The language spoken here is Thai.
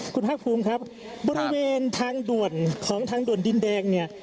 คุณภาคภูมิครับบริเวณทางด่วนของทางด่วนดินแดงเนี่ย